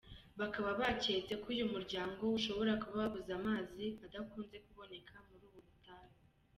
Bakaba baketse ko uyu muryango ushobora kuba wabuze amazi adakunze kuboneka muri ubu butayu.